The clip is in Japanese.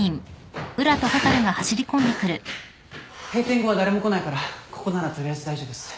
閉店後は誰も来ないからここなら取りあえず大丈夫っす。